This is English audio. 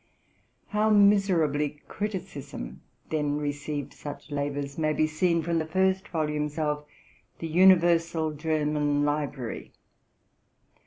How miserably criticism then received such labors may be seen from the first volumes of '*' The Universal German Li brary.